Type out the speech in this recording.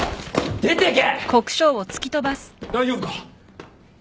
大丈夫か！？